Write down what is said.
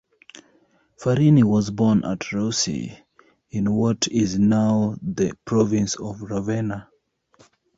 Farini was born at Russi, in what is now the province of Ravenna.